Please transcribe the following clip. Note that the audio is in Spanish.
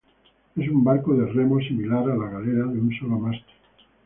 Es un barco de remo, similar a la galera, de un solo mástil.